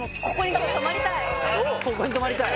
ここに泊まりたい？